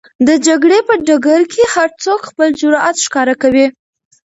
د جګړې په ډګر کې هر څوک خپل جرئت ښکاره کوي.